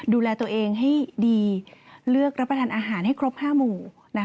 ดูแลตัวเองให้ดีเลือกรับประทานอาหารให้ครบ๕หมู่